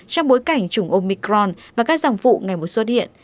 trong bối cảnh chủng omicron và các dòng vụ ngày một xuất hiện